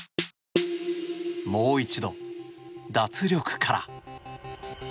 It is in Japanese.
もう一度、脱力から。